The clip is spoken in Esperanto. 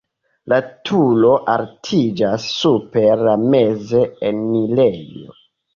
La turo altiĝas super la meza enirejo.